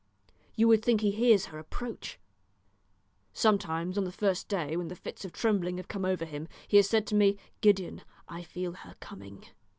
You would think he hears her approach. Sometimes on the first day, when the fits of trembling have come over him, he has said to me, 'Gideon, I feel her coming.'